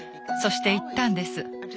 そして言ったんです。